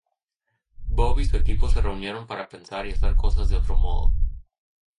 Bob y su equipo se reunieron para pensar y hacer cosas de otro modo.